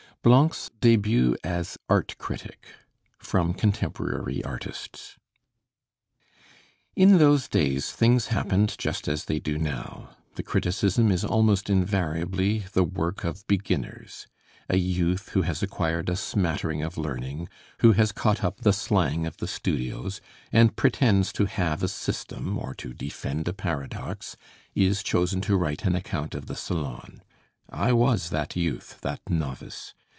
BLANC'S DÉBUT AS ART CRITIC From 'Contemporary Artists' In those days things happened just as they do now; the criticism is almost invariably the work of beginners. A youth who has acquired a smattering of learning, who has caught up the slang of the studios, and pretends to have a system or to defend a paradox, is chosen to write an account of the Salon. I was that youth, that novice.